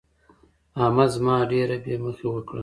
احمد زما ډېره بې مخي وکړه.